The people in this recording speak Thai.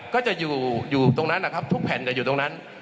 ก็จะอยู่ตรงนั้นนะครับทุกแผ่นจะอยู่ตรงนั้น